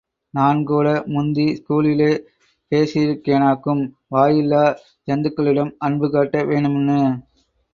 நான் கூட முந்தி ஸ்கூலிலே பேசியிருக்கேனாக்கும், வாயில்லா ஜந்துக்களிடம் அன்புகாட்ட வேணுமின்னு.